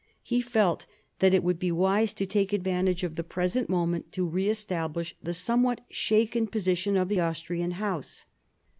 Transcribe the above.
He felt that it would be wise to take advantage of the present moment to re establish the somewhat shaken position of the Austrian House.